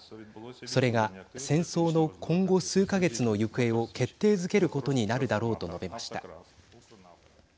それが戦争の今後数か月の行方を決定づけることになるだろうと述べました。